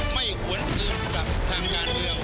ไม่หวนอื่นกับทางงานเรือง